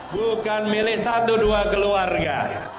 bukan milik satu dua keluarga